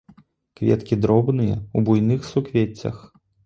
Кветкі дробныя, у буйных суквеццях.